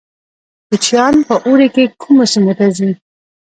کوچیان په اوړي کې کومو سیمو ته ځي؟